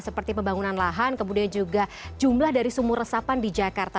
seperti pembangunan lahan kemudian juga jumlah dari sumur resapan di jakarta